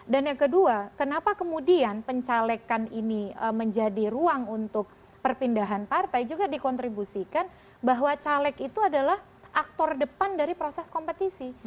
dan yang kedua kenapa kemudian pencalekan ini menjadi ruang untuk perpindahan partai juga dikontribusikan bahwa caleg itu adalah aktor depan dari proses kompetisi